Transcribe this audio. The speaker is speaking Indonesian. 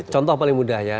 contoh paling mudah ya